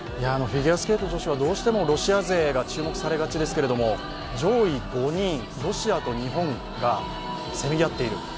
フィギュアスケート女子はどうしてもロシア勢が注目されがちですが上位５人、ロシアと日本がせめぎ合っている。